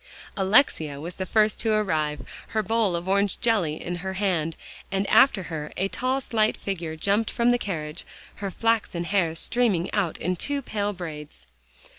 Alexia was the first to arrive, her bowl of orange jelly in her hand, and after her, a tall slight figure jumped from the carriage, her flaxen hair streaming out in two pale braids.